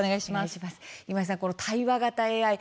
今井さん、対話型ＡＩ